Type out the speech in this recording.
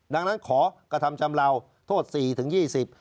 ดังนั้นขอกระทำชำเลาโทษสี่ถึงยี่สิบ